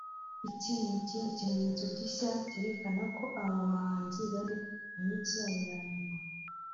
Iki ni ikindi kimenyetso gishya cyerekana ko aba bahanzi bari mu minsi yabo ya nyuma